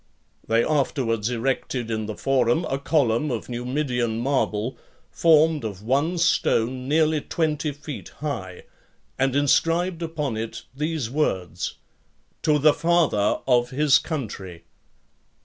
They afterwards erected in the Forum a column of Numidian marble, formed of one stone nearly twenty feet high, and inscribed upon it these words, TO THE FATHER OF HIS COUNTRY.